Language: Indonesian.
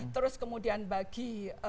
terus kemudian bagi